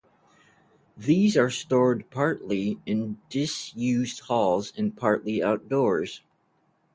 These are stored partly in disused halls and partly outdoors.